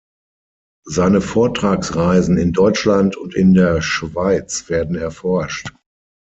Seine Vortragsreisen in Deutschland und in der Schweiz werden erforscht.